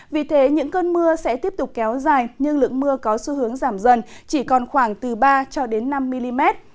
vì thế những cơn mưa sẽ tiếp tục kéo dài nhưng lượng mưa có xu hướng giảm dần chỉ còn khoảng từ ba cho đến năm mm